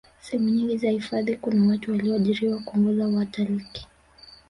sehemu nyingi za hifadhi kuna watu waliyoajiriwa kuongoza watalkii